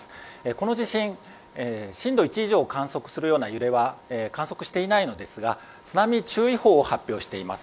この地震震度１以上観測するような揺れは観測していないんですが津波注意報を発表しています。